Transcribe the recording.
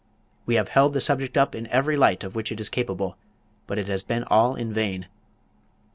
We have held the subject up in every light of which it is capable; but it has been all in vain.